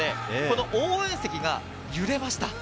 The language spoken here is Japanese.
応援席が揺れました。